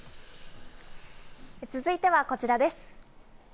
続いてはこちらです。